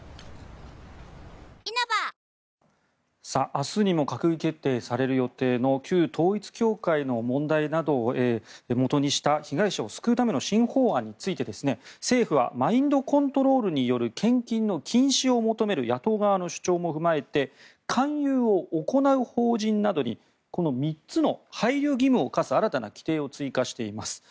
明日にも閣議決定される予定の旧統一教会の問題などをもとにした被害者を救うための新法案について政府はマインドコントロールによる献金の禁止を求める野党側の主張も踏まえて勧誘を行う法人などにこの３つの配慮義務を課す新たな規定を追加しています。